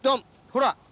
ほら！